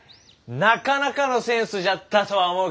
なかなかのセンスじゃったとは思うけど。